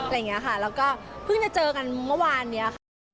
แล้วก็เพิ่งจะเจอกันเมื่อวานนี้ค่ะ